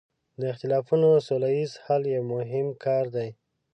د اختلافونو سوله ییز حل یو مهم کار دی.